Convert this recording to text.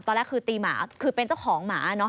ตอนแรกคือตีหมาคือเป็นเจ้าของหมาเนอะ